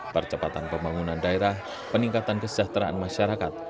percepatan pembangunan daerah peningkatan kesejahteraan masyarakat